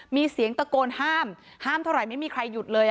มีเสียงตะโกนห้ามห้ามเท่าไหร่ไม่มีใครหยุดเลย